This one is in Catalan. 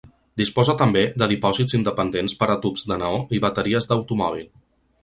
Disposa també de dipòsits independents per a tubs de neó i bateries d’automòbil.